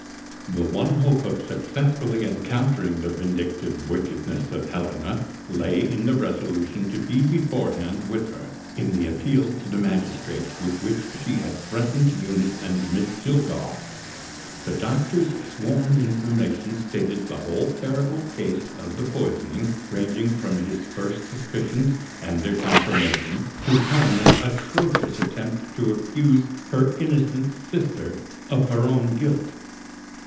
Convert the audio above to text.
The one hope of successfully encountering the vindictive wickedness of Helena lay in the resolution to be beforehand with her, in the appeal to the magistrates with which she had threatened Eunice and Miss Jillgall. The doctor's sworn information stated the whole terrible case of the poisoning, ranging from his first suspicions and their confirmation, to Helena's atrocious attempt to accuse her innocent sister of her own guilt.